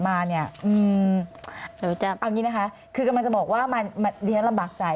มันคะจะบอกว่ามันเรียกลำบักใจ